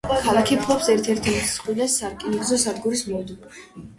ქალაქი ფლობს ერთ-ერთ უმსხვილეს სარკინიგზო სადგურს მოლდოვაში.